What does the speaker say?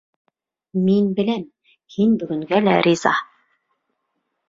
Мин беләм: һин бөгөнгә лә риза.